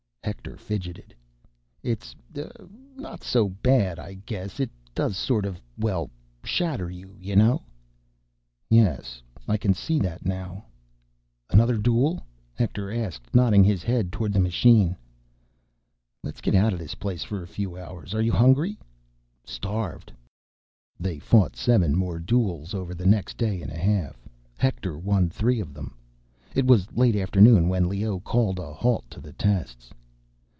Hector fidgeted. "It's uh, not so bad, I guess—It does sort of, well, shatter you, you know." "Yes I can see that now." "Another duel?" Hector asked, nodding his head toward the machine. "Let's get out of this place for a few hours. Are you hungry?" "Starved." They fought seven more duels over the next day and a half. Hector won three of them. It was late afternoon when Leoh called a halt to the tests.